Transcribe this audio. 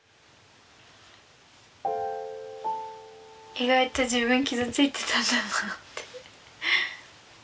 意外と自分傷ついてたんだなって。